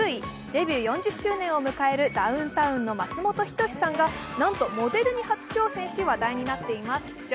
デビュー４０周年を迎えるダウンタウンの松本人志さんが、なんとモデルに初挑戦し話題になっています。